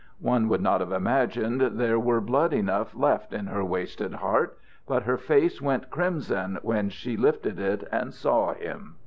One would not have imagined there were blood enough left in her wasted heart, but her face went crimson when she lifted it and saw him.